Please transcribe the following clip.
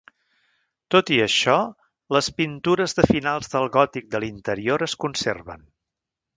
Tot i això, les pintures de finals del gòtic de l'interior es conserven.